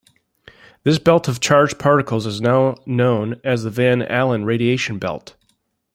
This belt of charged particles is now known as the Van Allen radiation belt.